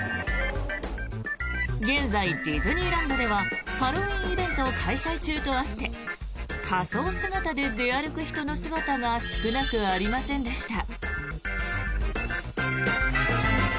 現在、ディズニーランドではハロウィーンイベント開催中とあって仮装姿で出歩く人の姿が少なくありませんでした。